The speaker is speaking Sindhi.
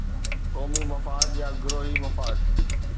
قومي مفاد يا گروهي مفاد؟